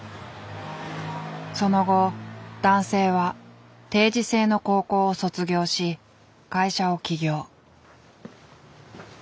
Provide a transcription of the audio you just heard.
その後男性は定時制の高校を卒業し会社を起業。